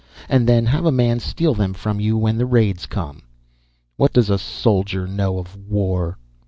And then have a man steal them from you when the raids come! What does a soldier know of war?"